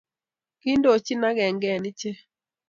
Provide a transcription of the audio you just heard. Kiindochin agenge eng iche